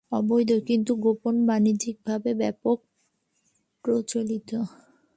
অবৈধ কিন্তু গোপনে বাণিজ্যিকভাবে ব্যাপক প্রচলিত।